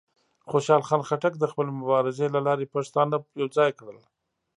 خوشحال خان خټک د خپلې مبارزې له لارې پښتانه یوځای کړل.